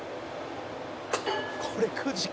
「これ９時か」